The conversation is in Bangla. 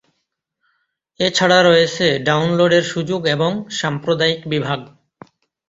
এছাড়া রয়েছে ডাউনলোডের সুযোগ এবং সাম্প্রদায়িক বিভাগ।